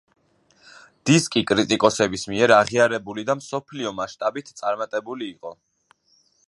დისკი კრიტიკოსების მიერ აღიარებული და მსოფლიო მასშტაბით წარმატებული იყო.